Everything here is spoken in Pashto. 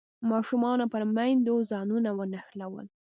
ماشومانو پر میندو ځانونه ونښلول.